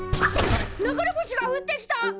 流れ星が降ってきた！